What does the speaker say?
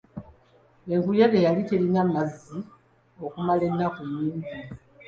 Enkuyege yali terina mazzi okumala ennaku nnyingi.